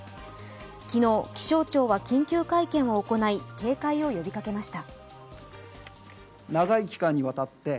昨日、気象庁は緊急会見を行い警戒を呼びかけました。